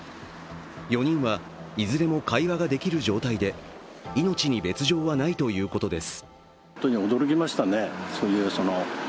４人はいずれも会話ができる状態で命に別状はないということです。